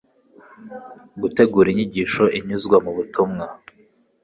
gutegura inyigisho inyuzwa mu butumwa